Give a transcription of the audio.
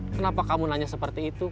kenapa kamu nanya seperti itu